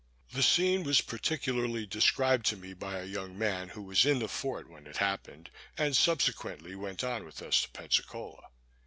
The scene was particularly described to me by a young man who was in the fort when it happened, and subsequently went on with us to Pensacola.